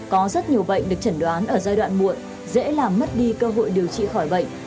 có rất nhiều bệnh được chẩn đoán ở giai đoạn muộn dễ làm mất đi cơ hội điều trị khỏi bệnh